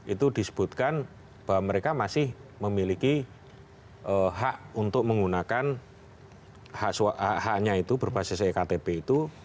itu disebutkan bahwa mereka masih memiliki hak untuk menggunakan haknya itu berbasis ektp itu